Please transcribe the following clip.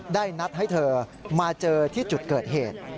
ได้นัดให้เธอมาเจอที่จุดเกิดเหตุ